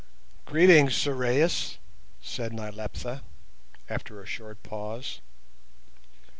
"Greeting, Sorais!" said Nyleptha, after a short pause.